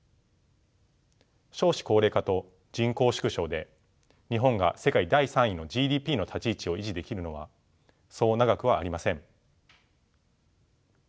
少子高齢化と人口縮小で日本が世界第３位のＧＤＰの立ち位置を維持できるのはそう長くはありません。